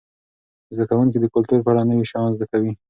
زده کوونکي د کلتور په اړه نوي شیان زده کوي.